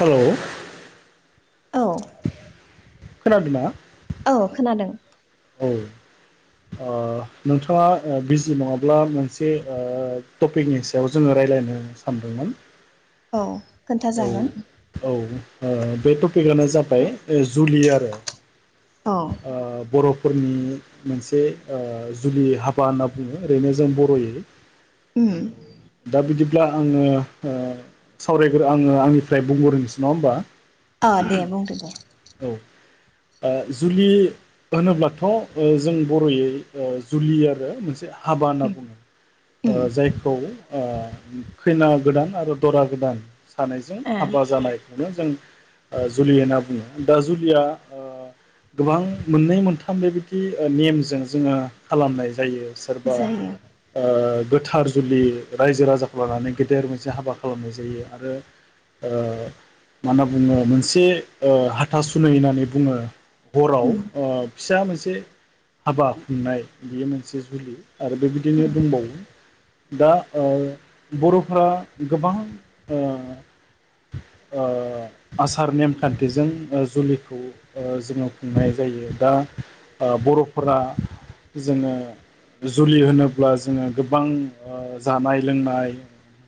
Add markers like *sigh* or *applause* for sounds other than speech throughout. हेल'। औ। खोनादोंना? औ खोनादों। औ नोंथाङा बिजि नङाब्ला मोनसे टपिकनि सायाव जोङो राय्लायनो सानदोंमोन। औ खोन्था औ जागोन। औ ओ बे टपिकआनो जाबाय जुलि आरो औ बर'फो -फोरनि मोनसे जुलि हाबा होनना बुङो ओरैनो जों बर'यै उम दाबिदि -ब्ला आङो सावरायग आङो आंनिफ्राय बुंग रोंसै नङा होमबा? औ दे बुंदो दे। औ ओ जुलि होनोब्ला थ जों बर'यै जुलि आरो मोनसे हाबा होनना उम बुङो उम जायखौ अ खैना गोदान आरो दरा गोदान सानैजों ए हाबा जानायखौनो जों जुलि होनना बुङो दा जुलिया गोबां मोननै मोनथाम थाम बेबायदि नेमजों जोङो खालामनाय जायो। सोरबा जायो गोथार जुलि रायजो राजाखौ लानानै गेदेर मोनसे हाबा खालामनाय जायो आरो माना बुङो मोनसे हाथा सुुनै होननानै बुङो। हराव उम ओ फिसा मोनसे हाबा खुंनाय बियो मोनसे जुलि आरो बेबायदिनो उम दंबावो दा बर'फोरा गोबां आसार नेमखान्थिजों जुलिखौ जोङो खुंनाय जायो दा बर'फोरा जोङो जुलि होनोब्ला जोङो गोबां जानाय -लोंनाय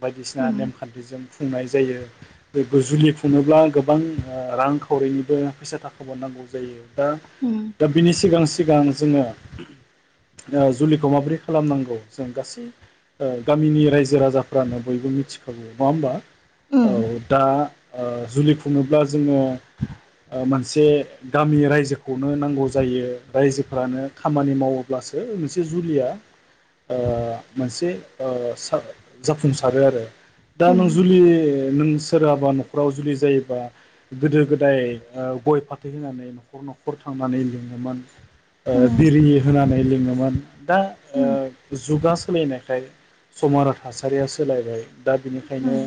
बायदिसिना उम नेमखान्थिजों खुंनाय जायो बे जुुलि खुङोब्ला गोबां रां खावरिनिबो फैसा थाखाब नांगौ जायो। दा उम सिगां -सिगां जोङो जुलिखौ माबोरै खालामनांगौ जों गासै गामिनि रायजो- राजाफ्रानो बयबो मिथिखागौ नङा होमबा? उम औ दा जुलि खुड़ोब्ला जोङो मोनसे गामि रायजोखौनो नांगौ जा जायो रायजोफ्रानो खामानि मावोब्लासो मोनसे जुलिया मोनसे जाफुंसारो आरो दा उम नों उम जुलि नों सोरहाबा न'खराव जुलि जायोबा गोदो -गोदाय गय फाथै होनानै न'खर -न'खर थांनानै लों हमोन बिरिनि होनानै बे लिङोमोन दा ओ उम जुगा सोलायनायखाय सम आरो थासारिया सोलायबाय दा बिनिखायनो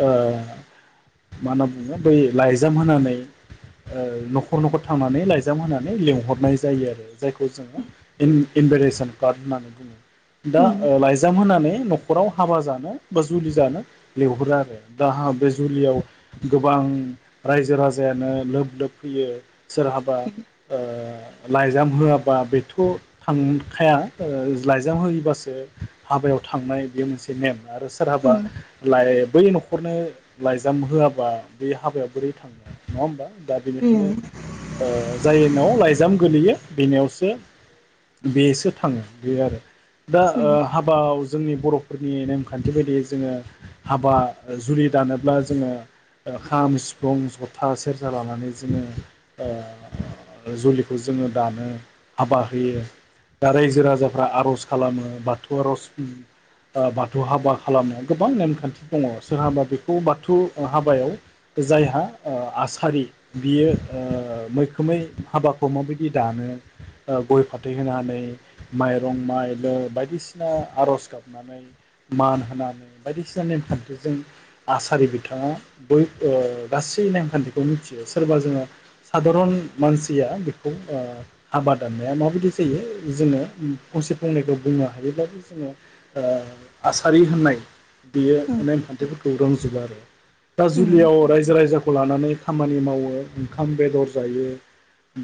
मा होनना बुङो बै लाइजाम होनानै न'खर न'खर थांनानै लाइजाम होनानै लिंहरनाय जायो आरो जायखौ जोङो इनभिटेसन कार्ड होननानै बुङो उम दा लाइजाम होनानै नख न'खराव हाबा जानो बा जुलि जानो लिंहरो आरो दा बे जुलियाव गोबां रायजो राजायानो लोब लोब फैयो सोरहाबा लाइजाम होआबा बेथ' थांखाया लाइजाम होयोबासो हाबायाव थांनाय बेयो मोनसे नेम आरो सोरहाबा उम लाइ बै न'खरनो लाइजाम होआबा बे हाबायाव बोरै थांनो नङा होमबा दा उम बेनिखायनो उम नाव लाइजाम गोलैयो बेनियावसो बेसो थाङो बे आरो दा उम हाबाव जोंनि बर'फोरनि नेमखान्थि बायदियै जोङो हाबा जुलि दानोब्ला जोङो खाम सिफुं जथा सेरजा लानानै जोङो जुलिखौ जोङो दानो हाबा होयो दा रायजो राजाफ्रा आर'ज खालामो बाथौ आर'ज बाथौ हाबा खालामनायाव गोबां नेमखान्थि दङ सोरहाबा बेखौ बाथौ हाबायाव जायहा आसारि बियो मै खोमै हाबाखौ माबायदि दानो गय फाथै होनानै माइरं माइ बायदिसिना आरज गाबनानै मान होनानै बायदिसिना नेमखान्थिजों आसारि बिथाङा बै गासै नेमखान्थिखौ मिथियो सोरबा जोङो सादारन मानसिया बेखौ हाबा दाननाया माबायदि जायो जोङो फंसे फंनैखौ बुंनो हायोब्लाबो जोङो आसारि होननाय। बियो उम नेमखान्थिफोरखौ रों जोबो आरो दा उम उम जुलियाव रायजो राजा खौ लानानै खामानि मावो ओंखाम बेदर जायो।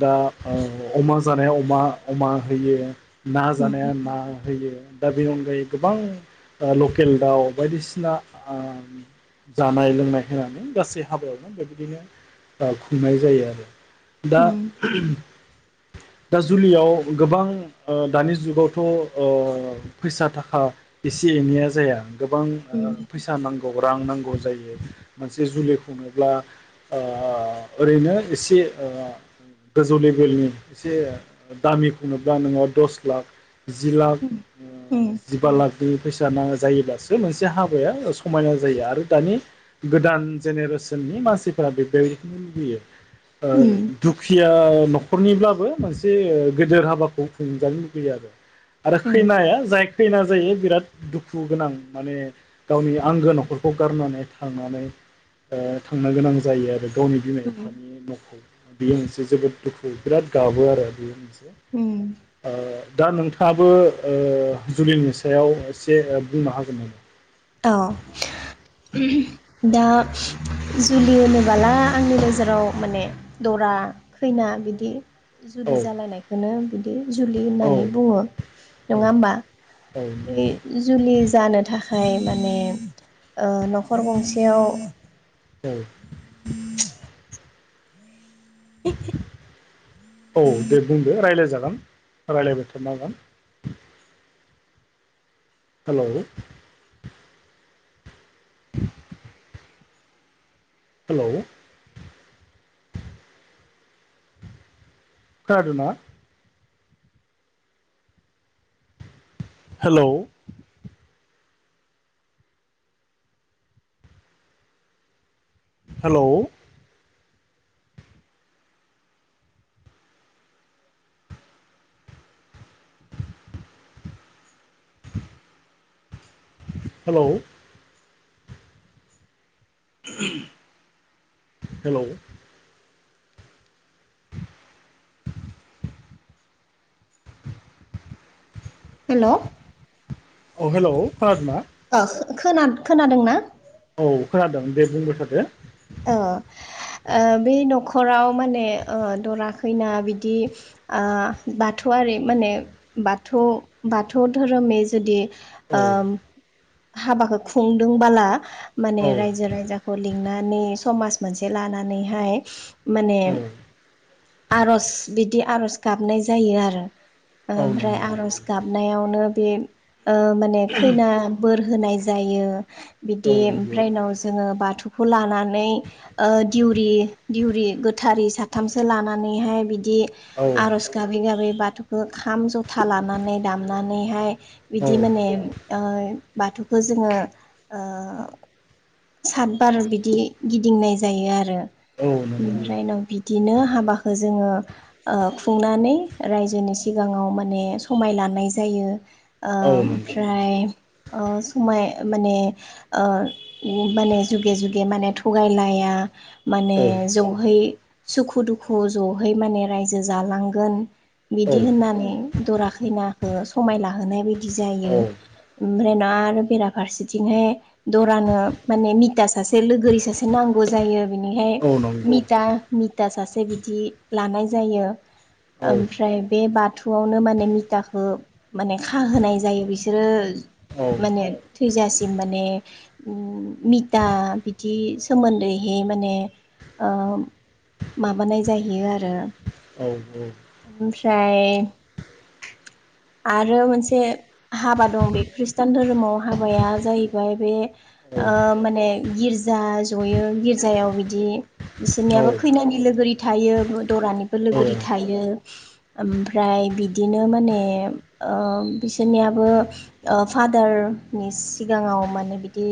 दा अमा जानायाव अमा अमा होयो। ना जानाया उम ना होयो दा बेनि अनगायै गोबां लकेल दाउ बायदिसिना जानाय लोंनाय होनानै गासै हाबायावनो बेबायदिनो खुंनाय जायो आरो। दा दा जुलियाव गोबां दानि जुगावथ' फैसा थाखा एसे एनैया जाया। गोबां उम फैसा नांगौ रां नांगौ जायो मोनसे जुलि खुंनोब्ला ओरैनो एसे गोजौ लेभेलनि एसे दामिखौनोब्ला नोङाव दस लाख जि लाख जिबा लाख फैसा नाङा जायोब्लासो मोनसे हाबाया समायना जायो आरो दानि गोदान जेनेरेसननि मानसिफोरा बे बेबायदिखौनो लुबैयो दुखिया न'खरनिब्लाबो मोनसे गेदेर हाबाखौ खुंजानो लुुबैयो आरो आरो खैनाया जाय खैना जायो बिराद दुखु गोनां माने गावनि आंगो न'खरखौ गारनानै थांनानै थांनो गोनां जायो आरो गावनि बिमा बिफानि न' बियो मोनसे जोबोद दुखु बिराद गाबो आरो बेयो मोनसे उम ओ दा नोंथाङाबो जुलिनि सायाव एसे बुंनो हागोन नामा औ दा जुलि होनोबाला आंनि नोजोराव माने दरा खैना बिदि औ जुलि जालायनायखौनो बिदि जुलि औ होननानै बुङो औ नङा होमबा औ बे नंगौ जुलि जानो थाखाय माने ओ न'खर गंसेयाव औ *unintelligible* *unintelligible* औ दे बुंदो रायलायजागोन रायलायबाय थारनो हागोन हेल' *unintelligible* हेल' खोनादोना हेल' हेल' *unintelligible* हेल' हेल' *unintelligible* हेल' औ हेल' खोनादोना? अ खोना खोनादोंना औ खोनादों दे बुंबाय थादो औ बे नखर हराव माने ओ दरा खैना बिदि ओ बाथौआरि माने बाथौ बाथौ धोरोमनि जुदि औ ओम हाबाखौ खुंदोंबाला माने औ रायजो राजाखौ लिंनानै समाज मोनसे लानानैहाय माने औ आरज बिद दि आरज गाबनाय जायो आरो औ ओमफ्राय नंगौ आरज गाबनायावनो बे ओ माने खैना फोर होनाय जायो। बिदि औ नंगौ ओमफ्राय उनाव जोङो बाथ थौखौ लानानै ओ दिउरि दिउरि गोथारि साथामसो लानानैहाय बि बिदि औ आर'ज गाबै गाबै बाथ बाथौखौ खाम ज'था लानानै दामनानैहाय औ बिदि माने ओ बाथौखौ जोङो ओ सात बार बिदि गिदिंनाय जायो आरो औ नंगौ ओमफ्राय उनाव बिदिनो हाबाखौ जोङो ओ खुंनानै रायजोनि सिगाङाव माने समाय लानाय जायो। ओ औ नंगौ ओमफ्राय ओ समाय माने ओ माने जुगे जुगे माने थगायलाया माने औ ज'है सुखु-दुखु ज'है माने रायजो जालांगोन। बिदि होननानै दरा खैनाखौ समायला होना बि बि जायो औ ओमफ्राय ना आरो बेराफारसेथिंहाय दरानो माने मिता सासे लोगोरि सासे नांगौ जायो बिनिहाय औ नंगौ मिता मिता सासे बिदि लानाय जायो। औ ओमफ्राय बे बाथौ आवनो माने मिथाखौ माने खाहोनाय जायो बिसोरो औ माने थैजासिम माने उम मिथा बिदि सोमोन्दैहै माने ओ माबानाय जाहैयो आरो औ औ य आरो मोनसे हाबा दं बे ख्रि ष्टान धोरोमाव हाबाया जाहैबाय बे ओ माने गिरज जा ज'यो गिर्जायाव बिदि बिसोरनियाबो खैनानि लोगोरि थायो दरानिबो औ लोगोरि थायो। ओमफ्राय बिदिनो माने ओ बिसोरनियाबो ओ फादारनि सिगाङाव माने बिदि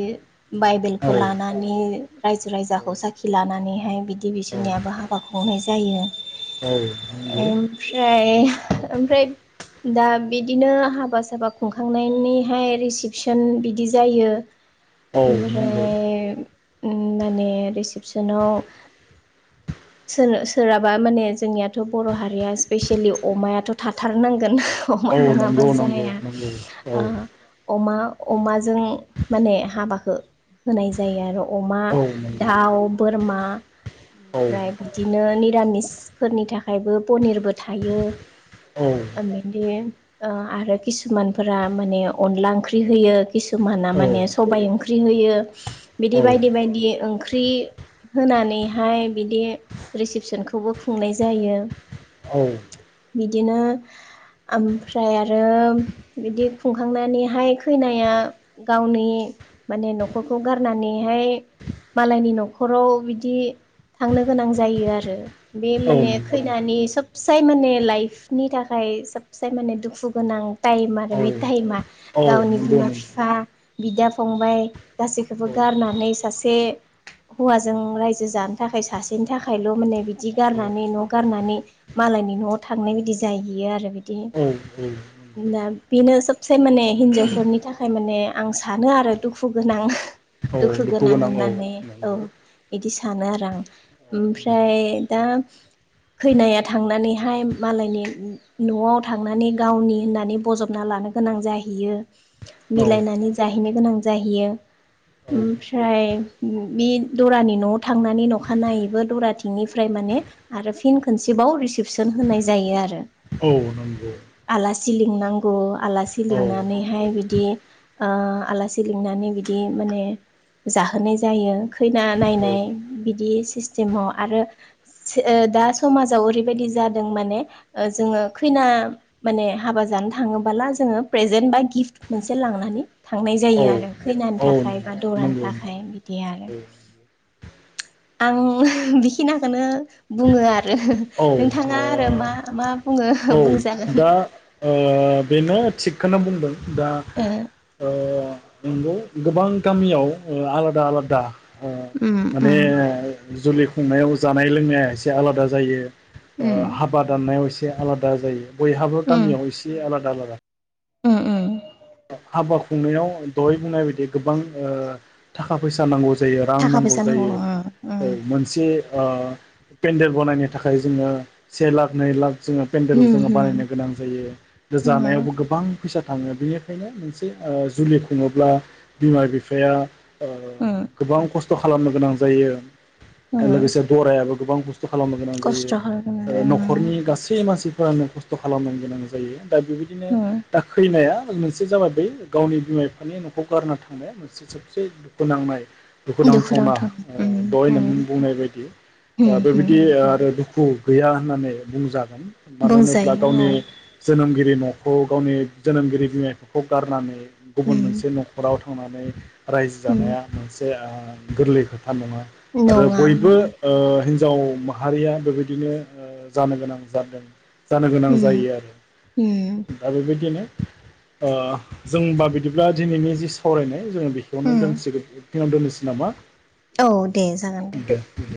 बाइबेलखौ लानानै रायजो रायजाखौ साखि लानानैहाय बिदि बिसोरनियाबो हाबा खुंनाय जायो औ नंगौ ओमफ्राय ओमफ्राय दा बिदिनो हाबा साबा खुंखांनायनि बेहाय रिसिपसन बिदि जायो औ नंगौ ओमफ्राय माने रिसिपसनाव सोरहाबा माने जोंनियाथ' बर' हारिया स्पेसेयेलि अमायाथ' थाथारनांगोन अमा औ नङाबो नंगौ नंगौ जाया नंगौ औ ओ अमा अमाजों माने हाबाखौ होनाय जायो आरो अमा औ नंगौ दाउ बोरमा औ ओमफ्राय बिदिनो निरामिसफोरनि थाखायबो पनिरबो थायो दि आरो किसुमानफोरा माने अनला ओंख्रि होयो किसुमाना औ माने सबायाइ ओंख्रि होयो बिदि औ बायदि बायदि ओंख्रि होनानैहाय बिदि रिसिपसनखौबो खुंनाय जायो औ बिदिनो ओमफ्राय आरो बिदि खुं थांखांनानैहाय खैनाया गावनि माने न'खरखौ गारनानैहाय मालायनि न'खराव बिदि थांनो गोनां जायो आरो बे औ माने नंगौ खैनि सब *unintelligible* माने लाइफनि थाखाय सबसे माने दुखु गोनां टाइम आरो औ बे टाइमा औ गावनि नंगौ बिमा नंगौ बिफा बिदा फंबाय गासैखौबो औ गारनानै सासे हौवाजों रायजो जानो थाखाय सासेनि थाखायल' माने बिदि औ गारनानै न' गारनानै मालायनि न'आव थांनाय बादि जाहैयो आरो बिदि औ नंगौ दा बेनो सब साय माने हिनजावफोरनि थाखाय माने आं सानो आरो दुखु गोनां औ दुखु गोनां औ होननानै औ नंगौ बिदि सानो आरो आं औ ओमफ्राय नंगौ दा खैनाया थांनानैहाय मालायनि न'आव थांनानै गावनि होननानै बजबना लानो गोनां जाहैयो औ मिलायनानै जाहैनो गोनां जाहैयो औ ओमफ्राय बे दरानि न'आव थांनानै अखानायैबो दराथिंनिफ्राय माने आरो फिन खनसेबाव रिसिपसन होनाय जायो आरो औ नंगौ सिलिं नांगौ आलासि आसि औ नंगौ नंगौ लिंनानैहाय बिदि आलासि लिंनानै बिदि माने जाहोनाय जायो खैना औ नायनाय बिदि सिस्टेमाव आरो दा समाजाव ओरैबायदि जादों माने जोङो खैना माने हाबा जानो थाङोबोला जोङो प्रेजेन्ट बा गिफ्ट मोनसे लांनानै थांनाय जायो आरो खैनाानि थाखाय बा दरानि थाखाय बिदि आरो *inaudible* आं बेखिनिखौनो बुङो आरो ओ नोंथाङा मा- मा बुंङो औ बुं दा ओ बेनो थिग खोनो बुंदों दा ओ नंगौ गोबां गामियाव ओ आलादा आलादा ओ उम माने उम जुलि खुंनायाव जा जानाय लोंनाया एसे आलादा जायो ओ उम हाबा दाननायाव इसे एसे आलादा जायो बयहाबो उम गामियाव एसे आलादा आलादा *unintelligible* उम उम हाबा खुंनायाव दहय बुंनाय बायदि गोबां ओ थाखा फैसा नांगौ जायो रां थाखा नांगौ फैसा जायो औ मोनसे ओ पेन्देल बनायनो थाखाय जोङो से लाख नै लाख जोङो पेन्देल उम जोङो उम बानायनो गोनां जायो उम जानायावबो गोबां फैसा थाङो बिनि खायनो मोनसे जुलि खुङोब्ला बिमा बिफाया ओ उम गोबां खस्थ' खा खालामनो गोनां जायो उम लोगोसे दरायाबो गोबां बुस स्थ' खालामनो गोनां जायो खस्थ' खालामगोन आरो न'खरनि गासै मानसि फोरानो कस्त' खालामनो गोनां जायो। दा बेबादिनो उम दा खैनाया *unintelligible* मोनसे जाबाय बै गावनि बिमा बिफानि न'खौ गारना थांनाया मोनसे सबसे दुखु नांनाय दुखु दुखुुनांथावना नांथाव दह'य नों उम बुंनाय बायदि बेबादि आरो दु दुखु गैया होननानै बुंजादों मानो होनोब्ला बुंजायो गावनि औ जोनोमगिरि न' खौ गावनि जोनोमगिरि बिमा बि खौ गारनानै गुबुन मोनसे उम न'खराव थांनानै रायजो जानाया मोनसे ओ गोरलै खो था नङा आरो नङा बयबो ओ हि नजाव माहारिया बेबायदिनो ओ जानो गोनां जादों। जानो गोनां उम जायो आरो उम दा बेबायदिनो ओ जों बा बिदिब्ला दिनैनि जि सावरायनाय जोङो बेखौनो उम दोनसिगोन नाव दोननोसै नामा। औ दे जागोन दे।